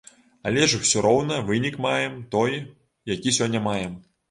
Але ж усё роўна вынік маем той, які сёння маем.